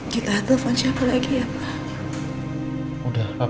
kita telepon siapa lagi ya pak